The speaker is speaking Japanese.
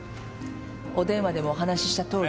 お電話でもお話ししたとおり。